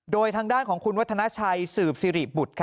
โดยทางด้านของคุณวัฒนาชัยสืบสิริบุตร